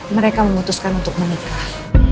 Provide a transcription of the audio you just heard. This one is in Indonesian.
mereka memutuskan untuk menikah